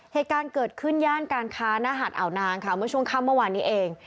เหตุการณ์เกิดขึ้นย่านการค้าหน้าหาดอ่าวนางค่ะเมื่อช่วงค่ำเมื่อวานนี้เอง